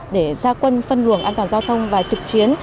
để ra quân phân luồng an toàn giao thông và trực chiến